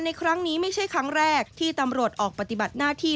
ในครั้งนี้ไม่ใช่ครั้งแรกที่ตำรวจออกปฏิบัติหน้าที่